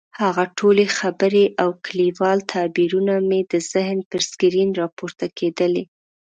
هغه ټولې خبرې او کلیوال تعبیرونه مې د ذهن پر سکرین راپورته کېدلې.